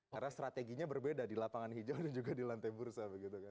karena strateginya berbeda di lapangan hijau dan juga di lantai bursa